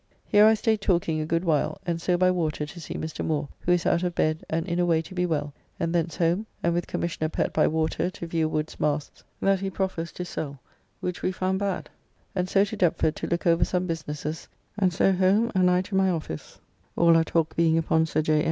Here I staid talking a good while, and so by water to see Mr. Moore, who is out of bed and in a way to be well, and thence home, and with Commr. Pett by water to view Wood's masts that he proffers to sell, which we found bad, and so to Deptford to look over some businesses, and so home and I to my office, all our talk being upon Sir J.